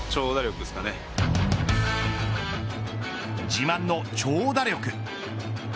自慢の長打力。